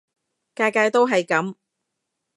屆屆都係噉